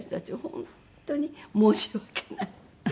本当に申し訳ない。